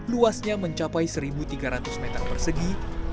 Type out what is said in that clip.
luasnya mencapai satu tiga ratus meter persegi